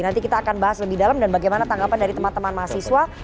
nanti kita akan bahas lebih dalam dan bagaimana tanggapan dari teman teman mahasiswa